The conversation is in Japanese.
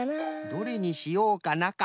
「どれにしようかな」か。